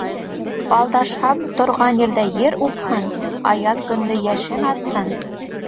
Алдашһам, торған ерҙә ер упһын, аяҙ көндө йәшен атһын!